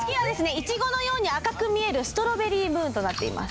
イチゴのように赤く見えるストロベリームーンとなっています。